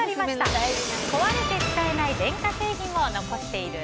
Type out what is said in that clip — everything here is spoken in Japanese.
壊れて使えない電化製品を残している？